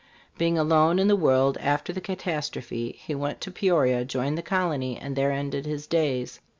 Being alone in the world after the catastrophe, he went to Peoria, joined the colony, and there ended his days.